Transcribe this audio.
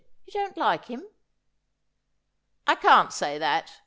You don't like him.' 'I can't say that.